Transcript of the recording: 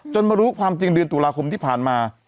มารู้ความจริงเดือนตุลาคมที่ผ่านมา